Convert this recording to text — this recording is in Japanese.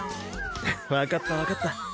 わかったわかった。